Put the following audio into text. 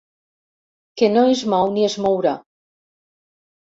Que no es mou ni es mourà.